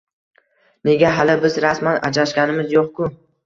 Nega, hali biz rasman ajrashganimiz yo`q-ku